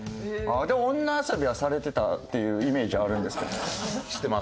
でも女遊びはされてたっていうイメージあるんですけど。